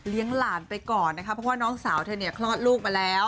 หลานไปก่อนนะคะเพราะว่าน้องสาวเธอเนี่ยคลอดลูกมาแล้ว